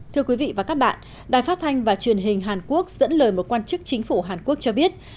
thưa quý vị và các bạn đài phát thanh và truyền hình hàn quốc dẫn lời một quan chức chính phủ hàn quốc cho biết